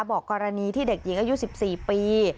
บอกกรณีที่เด็กหญิงอายุ๑๔ปี